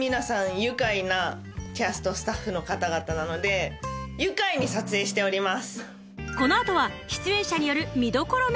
愉快なキャストスタッフの方々なので愉快に撮影しております。